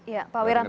ya pak wiranto